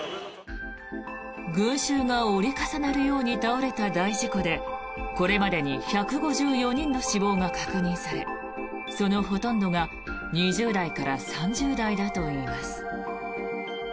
群衆が折り重なるように倒れた大事故でこれまでに１５４人の死亡が確認されそのほとんどが２０代から３０代だといいます。